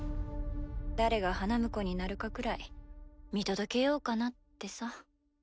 誰が花婿になるかくらい見届けようかなってさ。